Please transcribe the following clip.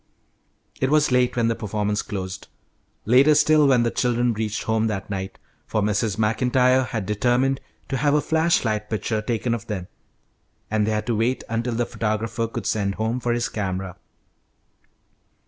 It was late when the performance closed; later still when the children reached home that night, for Mrs. MacIntyre had determined to have a flash light picture taken of them, and they had to wait until the photographer could send home for his camera.